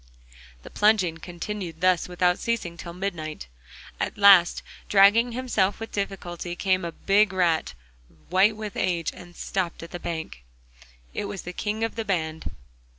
The plunging continued thus without ceasing till midnight. At last, dragging himself with difficulty, came a big rat, white with age, and stopped on the bank. It was the king of the band.